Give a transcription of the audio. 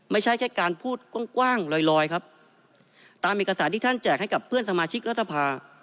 ไม่ใช่แค่การพูดกว้างลอยลอยครับตามเอกสารที่ท่านแจกให้กับเพื่อนสมาชิกรัฐภา